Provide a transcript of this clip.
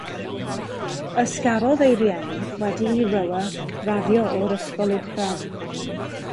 Ysgarodd ei rieni wedi i Roer raddio o'r ysgol uwchradd.